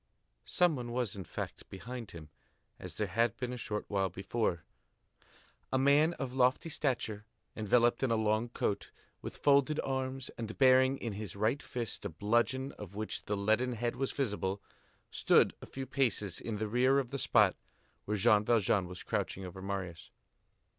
Some one was, in fact, behind him, as there had been a short while before. A man of lofty stature, enveloped in a long coat, with folded arms, and bearing in his right fist a bludgeon of which the leaden head was visible, stood a few paces in the rear of the spot where Jean Valjean was crouching over Marius.